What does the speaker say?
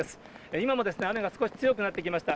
今も、雨が少し強くなってきました。